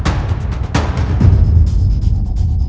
ตอนที่สุดมันกลายเป็นสิ่งที่ไม่มีความคิดว่า